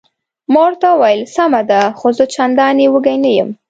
ما ورته وویل: سمه ده، خو زه چندانې وږی نه یم.